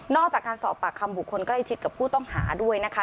จากการสอบปากคำบุคคลใกล้ชิดกับผู้ต้องหาด้วยนะคะ